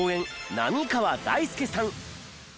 浪川大輔さん。